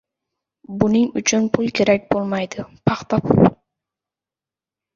— Buning uchun pul kerak bo‘ladi, paxan, pul!